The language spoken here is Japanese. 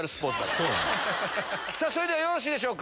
それではよろしいでしょうか。